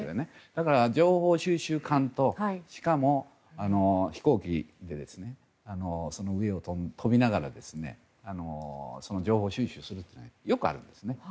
だから情報収集艦としかも飛行機でその上を飛びながら情報収集するというのはよくあるんですね。